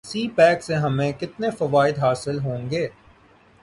سی pack سے ہمیں کتنے فوائد حاصل ہوں گے